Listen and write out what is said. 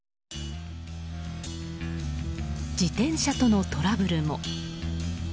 自転車とのトラブルも。